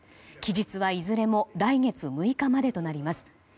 期日はいずれも来月６日までとなります。